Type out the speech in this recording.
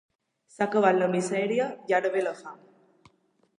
S'ha acabat la misèria i ara ve la fam.